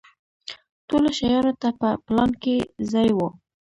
ټولو شیانو ته په پلان کې ځای و.